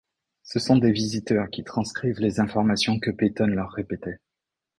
Ce sont des visiteurs qui transcrivirent les informations que Peyton leur répétait.